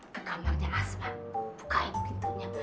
ke kamarnya asma bukain pintunya